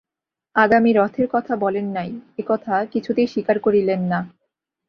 আগামী রথের কথা বলেন নাই, একথা কিছুতেই স্বীকার করিলেন না।